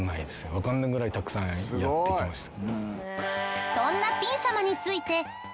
わからないぐらいたくさんやってきました。